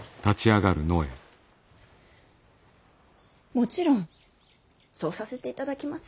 もちろんそうさせていただきます。